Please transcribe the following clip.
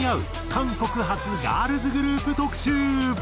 韓国発ガールズグループ特集。